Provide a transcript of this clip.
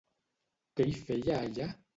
Què hi feia allà?